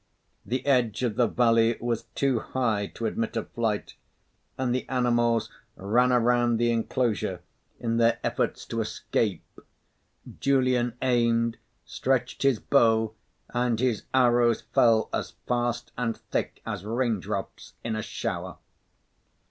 The edge of the valley was too high to admit of flight; and the animals ran around the enclosure in their efforts to escape. Julian aimed, stretched his bow and his arrows fell as fast and thick as raindrops in a shower.